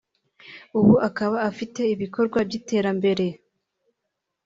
ubu akaba afite ibikorwa by’iterambere